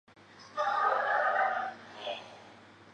其实这就是西方雕刻之古典性规范的所在。